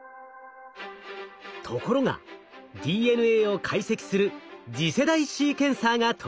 ところがＤＮＡを解析する次世代シーケンサーが登場。